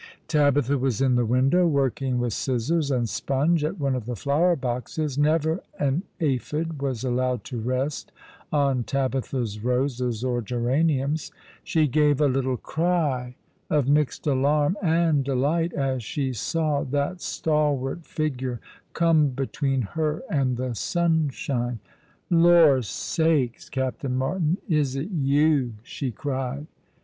Tabitha was in the window, working with scissors and sponge at one of the flower boxes. Never an aphid was allowed to rest on Tabitha's roses or geraniums. She gave a little cry of mixed alarm and delight as she saw that stal w^art figure come between her and the sunshine. " Lor' sakes. Captain Martin, is it you ?" she cried.